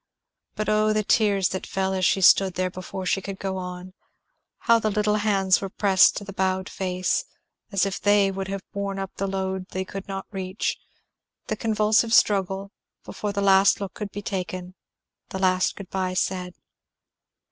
But oh, the tears that fell as she stood there before she could go on; how the little hands were pressed to the bowed face, as if they would have borne up the load they could not reach; the convulsive struggle, before the last look could be taken, the last good by said!